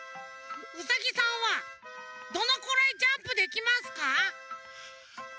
ウサギさんはどのくらいジャンプできますか？